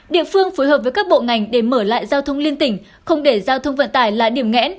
địa phương phối hợp với các bộ ngành để mở lại giao thông liên tỉnh không để giao thông vận tải là điểm nghẽn